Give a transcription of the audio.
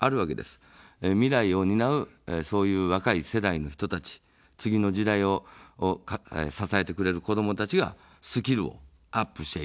未来を担う、そういう若い世代の人たち、次の時代を支えてくれる子どもたちがスキルをアップしていく。